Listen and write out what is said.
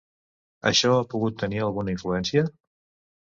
Això ha pogut tenir alguna influència?